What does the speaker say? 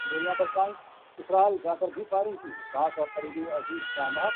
جی، میرا نام عاصم ہے